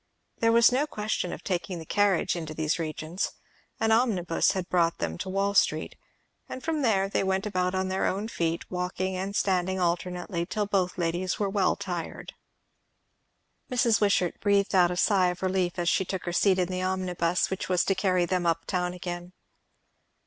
There was no question of taking the carriage into these regions; an omnibus had brought them to Wall Street, and from there they went about on their own feet, walking and standing alternately, till both ladies were well tired. Mrs. Wishart breathed out a sigh of relief as she took her seat in the omnibus which was to carry them up town again.